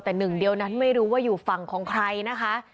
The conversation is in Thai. แต่หนึ่งเดียวนั้นไม่รู้ว่าอยู่ฝั่งของใครนะคะ